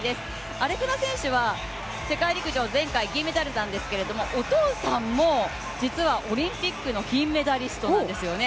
アレクナ選手は世界陸上、前回、金メダルなんですけど、お父さんも実はオリンピックの金メダリストなんですよね。